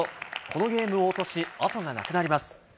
このゲームを落とし、後がなくなります。